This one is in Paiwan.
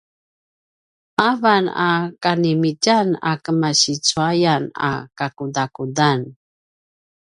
avan a kanimitjan a kemasi cuayan a kakudakudan